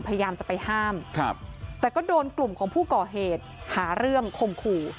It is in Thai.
พยายามจะไปห้ามแต่ก็โดนกลุ่มของผู้ก่อเหตุหาเรื่องคมขู่